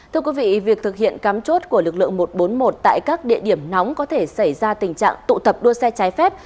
thưa quý vị việc thực hiện cắm chốt của lực lượng một trăm bốn mươi một tại các địa điểm nóng có thể xảy ra tình trạng tụ tập đua xe trái phép